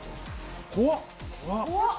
怖っ！